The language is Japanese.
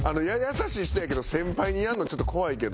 優しい人やけど先輩にやるのちょっと怖いけど。